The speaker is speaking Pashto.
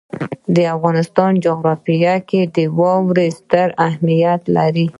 د افغانستان جغرافیه کې واوره ستر اهمیت لري.